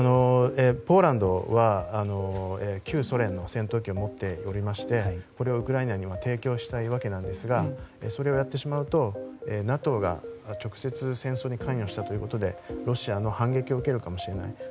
ポーランドは旧ソ連の戦闘機を持っておりましてこれをウクライナに提供したいわけですがそれをやってしまうとＮＡＴＯが直接戦争に関与したということでロシアの反撃を受けるかもしれない。